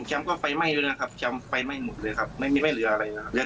แล้วนี่พี่เบิร์ทโด่มคือคือคือกลับมาดูนะด่อ